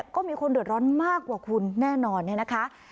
ก็มีคนเดือดร้อนมากกว่าคุณแน่นอนเนี่ยนะคะ